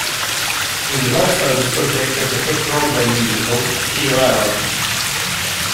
He was also the subject of the hit Broadway musical Fiorello!